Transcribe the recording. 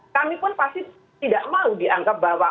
kami pun pasti tidak mau dianggap bahwa